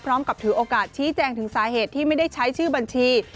พร้อมกับถือโอกาสชี้แจงถึงสาเหตุที่ไม่ได้ใช้ชื่อบัญชี